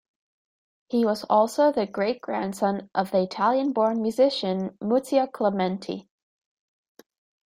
He was also the great-grandson of the Italian-born musician Muzio Clementi.